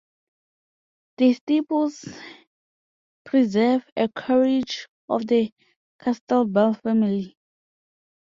The stables preserve a carriage of the Castellbell family.